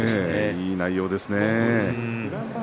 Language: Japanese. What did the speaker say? いい内容ですね。